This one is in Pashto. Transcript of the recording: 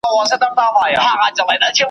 د روښاني غورځنګ تحلیل